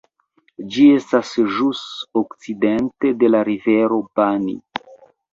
Ĝi estas ĵus okcidente de la Rivero Bani.